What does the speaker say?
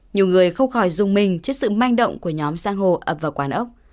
nhiều người không khỏi dùng mình trước sự manh động của nhóm giang hồ ập vào quán ốc